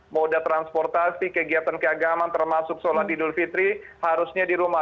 moda transportasi kegiatan keagaman termasuk sholat idul fitri harusnya di rumah